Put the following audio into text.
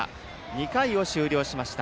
２回を終了しました。